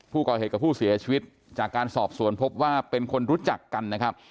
ผู้ก่อเหตุกับผู้เสียชีวิตจากการสอบสวนพบว่าเป็นคนรู้จักกันนะครับ